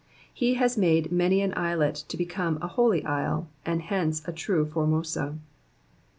He bas made many an islet to become a Holy Isle, and hence, a true Formosa.